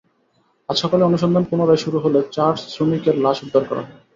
আজ সকালে অনুসন্ধান পুনরায় শুরু হলে চার শ্রমিকের লাশ উদ্ধার করা হয়।